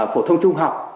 phổ thông trung học